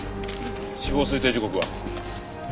死亡推定時刻は？